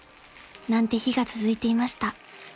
［なんて日が続いていました］